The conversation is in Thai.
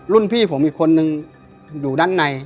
พี่ผมอีกคนนึงอยู่ด้านใน